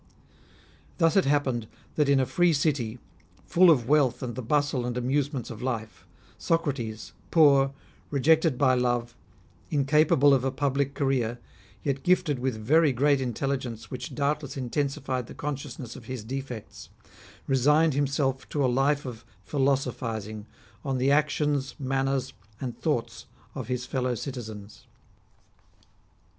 Thus it happened that in a free city, full of wealth and the bustle and amusements of life, Socrates, poor, rejected by love, incapable of a public career, yet gifted with very great intelligence which doubtless intensified the consciousness of his defects, resimed him self to a life of philosophising on the actions, manners, and thoughts of his fellow citizens.